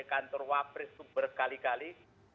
pasukan dari kantor wapris itu berkali kali